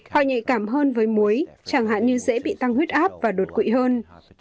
họ nhạy cảm hơn với muối chẳng hạn như dễ bị tăng huyết áp và đột quỵ hơn